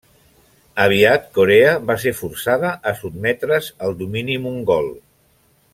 Aviat Corea va ser forçada a sotmetre's al domini mongol.